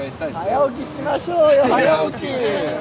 早起きしましょうよ早起き。